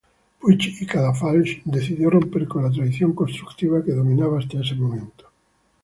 Puig i Cadafalch decidió romper con la tradición constructiva que dominaba hasta ese momento.